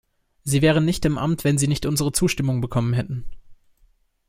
Sie wären nicht im Amt, wenn Sie nicht unsere Zustimmung bekommen hätten.